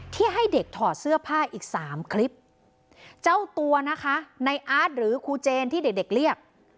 ที่ให้เด็กถอดเสื้อผ้าอีกสามคลิปเจ้าตัวนะคะในอาร์ตหรือครูเจนที่เด็กเด็กเรียก